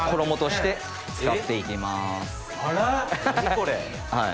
これ。